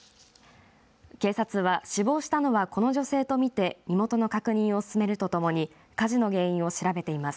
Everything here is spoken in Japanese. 警察は、死亡したのはこの女性と見て身元の確認を進めるとともに火事の原因を調べています。